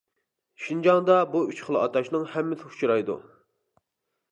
شىنجاڭدا بۇ ئۈچ خىل ئاتاشنىڭ ھەممىسى ئۇچرايدۇ.